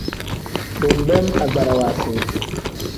Bo nbeem agbarawa si.